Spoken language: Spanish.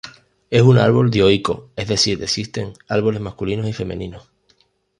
Es un árbol dioico, es decir existen árboles masculinos y femeninos.